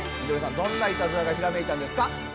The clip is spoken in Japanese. どんないたずらがひらめいたんですか？